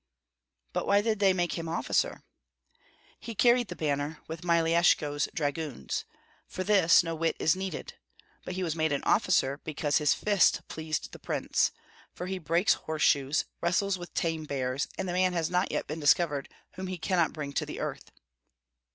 "But why did they make him officer?" "He carried the banner with Myeleshko's dragoons; for this no wit is needed. But he was made officer because his fist pleased the prince; for he breaks horseshoes, wrestles with tame bears, and the man has not yet been discovered whom he cannot bring to the earth."